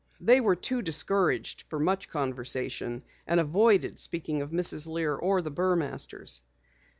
They were too discouraged for much conversation, and avoided speaking of Mrs. Lear or the Burmasters.